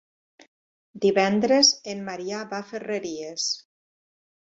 Divendres en Maria va a Ferreries.